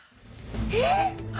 えっ！？